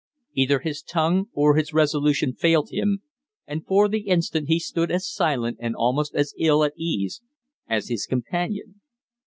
Either his tongue or his resolution failed him, and for the instant he stood as silent and almost as ill at ease as his companion.